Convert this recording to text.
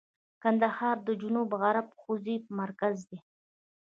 کندهار ښار د جنوب غرب حوزې مرکز دی.